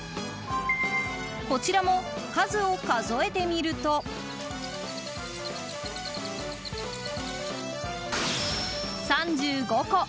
こちらも数を数えてみると３５個。